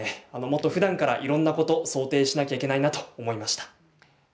もっとふだんからいろんなこと想定しなきゃいけないなと思いました。